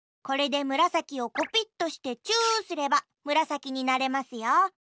これでむらさきをコピットしてチューすればむらさきになれますよ。